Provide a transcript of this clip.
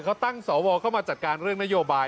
เขาตั้งสวเข้ามาจัดการเรื่องนโยบาย